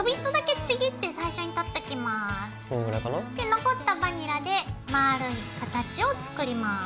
残ったバニラで丸い形を作ります。